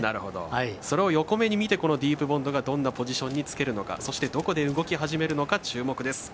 それを横目に見てディープボンドが、どの位置につけるのかそして、どこで動き始めるのか注目です。